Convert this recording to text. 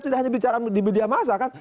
tidak hanya bicara di media masa kan